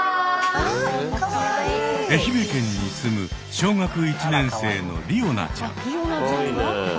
愛媛県に住む小学１年生のりおなちゃん。